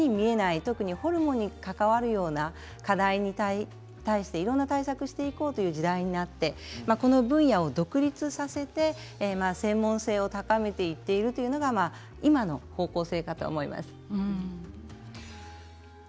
特にホルモンに関わるような課題に対していろんな解釈をしていこうという時代になってこの分野を独立させて専門性を高めていっているというのが今の方向性だと思います。